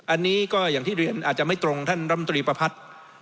อันนี้ก็อย่างที่เรียนอาจจะไม่ตรงท่านรำตรีประพัฒน์